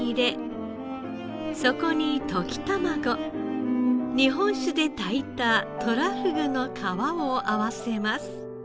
そこに溶き卵日本酒で炊いたとらふぐの皮を合わせます。